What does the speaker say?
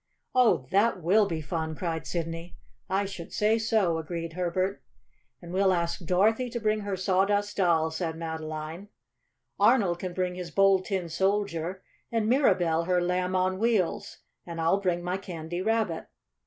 "Oh, that will be fun!" cried Sidney. "I should say so!" agreed Herbert. "And we'll ask Dorothy to bring her Sawdust Doll," said Madeline, "Arnold can bring his Bold Tin Soldier, and Mirabell her Lamb on Wheels. And I'll bring my Candy Rabbit."